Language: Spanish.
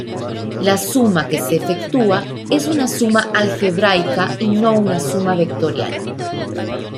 La suma que se efectúa es una suma algebraica y no una suma vectorial.